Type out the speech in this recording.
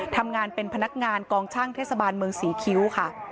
ทำงานเป็นพนักงานกองช่างเทศบาลเมืองศรีคิ้วค่ะ